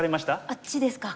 あっちですか。